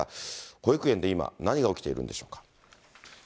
保育園で今、何が起きているんでしょうか。